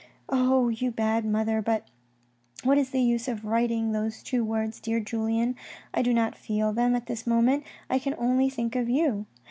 Oh, you bad mother ! but what is the use of my writing those two words, dear Julien ? I do not feel them, at this moment I can only think of you.